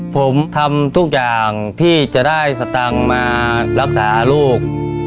ผมทำทุกอย่างที่จะได้สตางค์มารักษาลูก